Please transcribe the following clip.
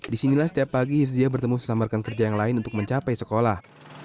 disinilah setiap pagi hifzia bertemu sesamarkan kerja yang lain untuk mencapai sekolah